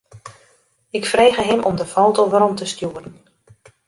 Ik frege him om de foto werom te stjoeren.